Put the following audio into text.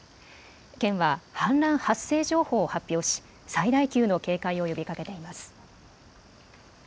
県は氾濫発生情報を発表し最大級の警戒を呼びかけています。